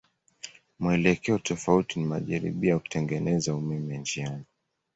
Mwelekeo tofauti ni majaribio ya kutengeneza umeme njiani.